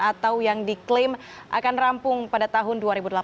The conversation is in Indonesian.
atau yang diklaim akan rampung pada tahun dua ribu delapan belas